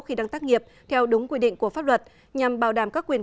khi đang tác nghiệp theo đúng quy định của pháp luật nhằm bảo đảm các quyền